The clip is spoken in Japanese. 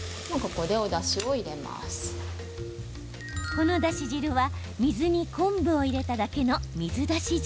このだし汁は水に昆布を入れただけの水だし汁。